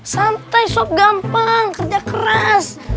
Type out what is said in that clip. santai sok gampang kerja keras